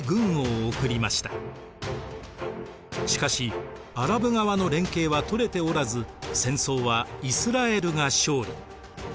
しかしアラブ側の連携はとれておらず戦争はイスラエルが勝利。